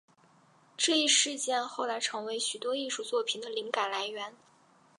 这一事件后来成为许多艺术作品的灵感来源。